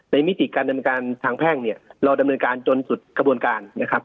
มิติการดำเนินการทางแพ่งเนี่ยเราดำเนินการจนสุดกระบวนการนะครับ